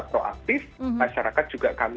proaktif masyarakat juga kami